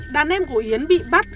đàn em của yến bị bắt